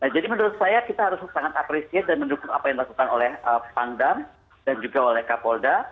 jadi menurut saya kita harus sangat apresiasi dan mendukung apa yang dilakukan oleh panggam dan juga oleh kapolda